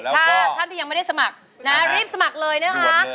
ถ้าท่านที่ยังไม่ได้สมัครนะรีบสมัครเลยนะคะ